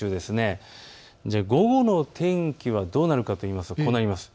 午後の天気はどうなるかといいますと、こうなります。